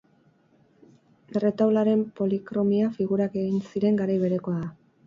Erretaularen polikromia, figurak egin ziren garai berekoa da.